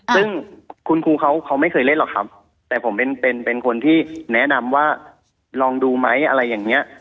ซึ่งคุณครูเขาไม่เคยเล่นหรอกครับแต่ผมเป็นเป็นคนที่แนะนำว่าลองดูไหมอะไรอย่างนี้